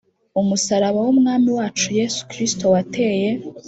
umusaraba w Umwami wacu Yesu Kristo wateye